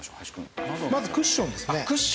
まずクッションですね。